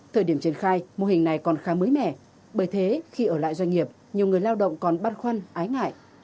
thời điểm triển khai mô hình này còn khá mới mẻ bởi thế khi ở lại doanh nghiệp nhiều người lao động còn băn khoăn ái ngại